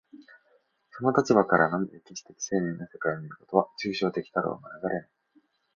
その立場からのみ歴史的生命の世界を見ることは、抽象的たるを免れない。